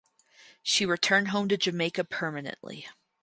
She returned home to Jamaica permanently.